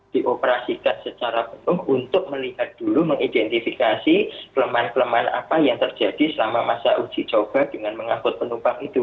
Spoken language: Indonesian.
dioperasikan secara penuh untuk melihat dulu mengidentifikasi kelemahan kelemahan apa yang terjadi selama masa uji coba dengan mengangkut penumpang itu